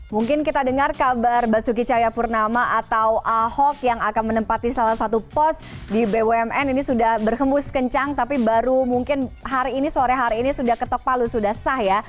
mungkin kita dengar kabar basuki cahayapurnama atau ahok yang akan menempati salah satu pos di bumn ini sudah berhembus kencang tapi baru mungkin hari ini sore hari ini sudah ketok palu sudah sah ya